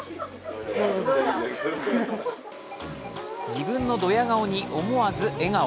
自分のどや顔に思わず笑顔。